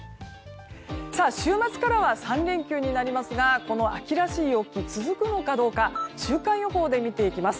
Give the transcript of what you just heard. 週末からは３連休になりますがこの秋らしい陽気続くのかどうか週間予報で見ていきます。